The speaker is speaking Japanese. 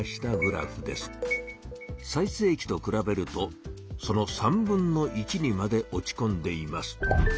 最せい期とくらべるとその３分の１にまで落ちこんでいます。